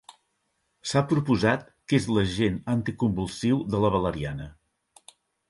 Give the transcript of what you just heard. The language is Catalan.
S'ha proposat que és l'agent anticonvulsiu de la valeriana.